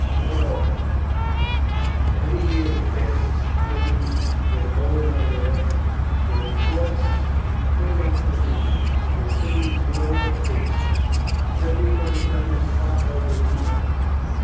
Moreover, every year that passes strengthens their hold on the land. Their forts spring up everywhere, their cities grow apace; every month numbers flock over here.